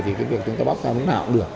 thì cái việc chúng ta bóc ra lúc nào cũng được